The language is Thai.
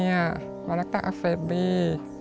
วีรักตะเซบี